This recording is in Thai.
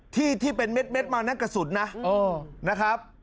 ที่เป็นเม็ดมานั่นกระสุนนะนะครับ